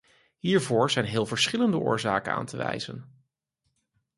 Hiervoor zijn heel verschillende oorzaken aan te wijzen.